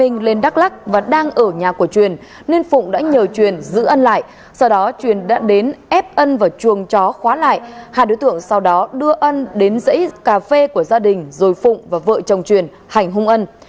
đăng lên đắk lắc và đang ở nhà của truyền nên phụng đã nhờ truyền giữ ân lại sau đó truyền đã đến ép ân vào chuồng chó khóa lại hai đối tượng sau đó đưa ân đến dãy cà phê của gia đình rồi phụng và vợ chồng truyền hành hung ân